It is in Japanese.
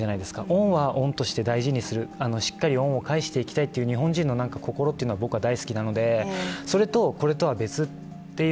恩は恩として大事にする、しっかり恩を返していきたいっていう日本人の心は僕は大好きなので、それとこれとは別っていう。